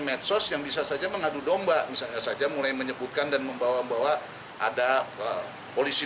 medsos yang bisa saja mengadu domba misalnya saja mulai menyebutkan dan membawa bawa ada polisi